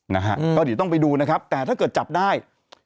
นะฮะก็เดี๋ยวต้องไปดูนะครับแต่ถ้าเกิดจับได้